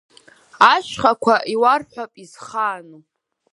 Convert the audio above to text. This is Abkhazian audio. Ашьхақәа иуарҳәап изхаану…